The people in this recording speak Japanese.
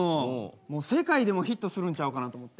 もう世界でもヒットするんちゃうかなと思って。